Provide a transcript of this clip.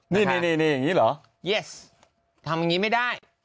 ทำอย่างนี้ไม่ได้